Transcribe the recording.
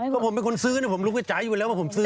ก็ผมเป็นคนซื้อนะผมลุกไปจ่ายอยู่แล้วว่าผมซื้อ